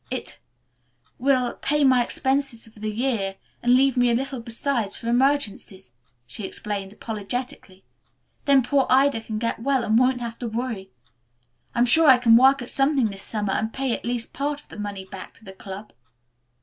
"It will pay my expenses for the year and leave me a little besides for emergencies," she explained apologetically. "Then poor Ida can get well and won't have to worry. I am sure I can work at something this summer and pay at least part of the money back to the club."